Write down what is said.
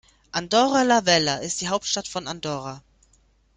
Andorra la Vella ist die Hauptstadt von Andorra.